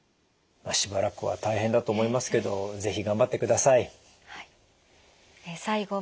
しばらくは大変だと思いますけど是非頑張ってください。